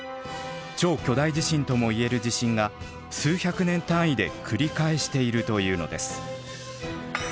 “超”巨大地震とも言える地震が数百年単位で繰り返しているというのです。